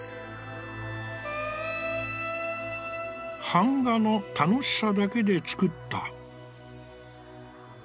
「板画の楽しさだけでつくった」。